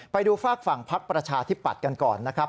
ไปดูฝากฝั่งพักประชาธิปัตย์กันก่อนนะครับ